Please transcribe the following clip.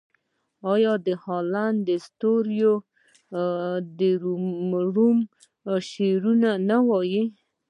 آیا د هالیووډ ستوري د رومي شعرونه نه وايي؟